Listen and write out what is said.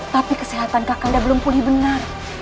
tapi kesehatan kakaknya belum pulih benar